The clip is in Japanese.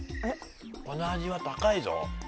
この味は、高いぞ。